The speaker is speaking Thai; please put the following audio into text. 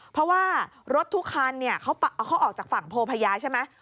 เพราะว่ารถทุกคันเขาออกจากฝั่งโพพญาใช่ไหม